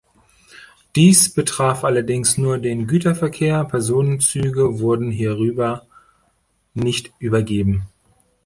Dies betraf allerdings nur den Güterverkehr, Personenzüge wurden hierüber nicht übergeben.